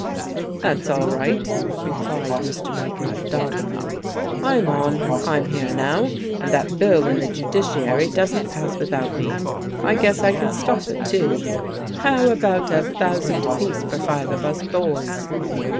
"That's all right," replied Mr. Maker, doggedly, "I'm on, I'm here now, and that bill in the Judiciary doesn't pass without me. I guess I can stop it, too. How about a thousand apiece for five of us boys?"